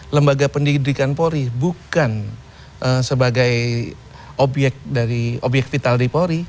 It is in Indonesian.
lembaga pendidikan polri bukan sebagai obyek vital di polri